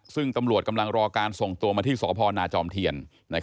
ซึ่งตำรวจกำลังรอการส่งตัวมาที่สพนาจอมเทียน